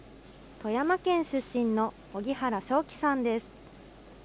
富山県出身の荻原渉希さんです。